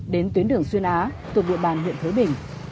đến tuyến đường xuyên á tuyệt vụ bàn huyện thới bình